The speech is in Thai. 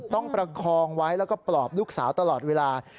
ประคองไว้แล้วก็ปลอบลูกสาวตลอดเวลา